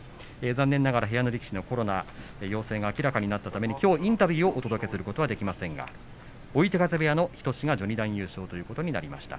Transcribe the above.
残念ながら部屋の力士のコロナ陽性が明らかになったためきょうインタビューをお届けすることはできませんが追手風部屋の日翔志は序二段優勝となりました。